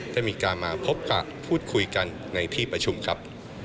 ได้มีการมาพบปะพูดคุยกันในที่ประชุมครับ